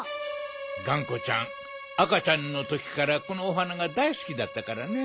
がんこちゃんあかちゃんのときからこのお花がだいすきだったからね。